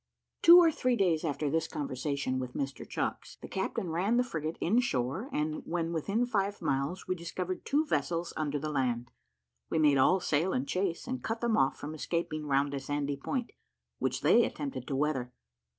Two or three days after this conversation with Mr Chucks, the captain ran the frigate in shore; and when within five miles, we discovered two vessels under the land. We made all sail in chase, and cut them off from escaping round a sandy point, which they attempted to weather.